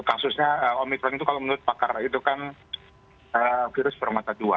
kasusnya omikron itu kalau menurut pakar itu kan virus bermata dua